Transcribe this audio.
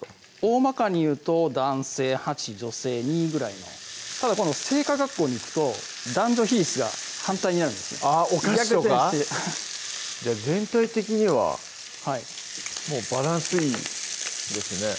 おおまかに言うと男性８・女性２ぐらいのただ今度製菓学校に行くと男女比率が反対になるんですあっお菓子とか逆転してじゃあ全体的にはもうバランスいいですね